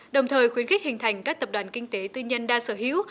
đồng thời khuyến khích hình thành các tập đoàn kinh tế tư nhân đa sở hữu